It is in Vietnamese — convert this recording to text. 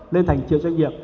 lên thành triệu doanh nghiệp